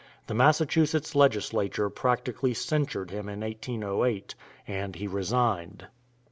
The Massachusetts Legislature practically censured him in 1808, and he resigned.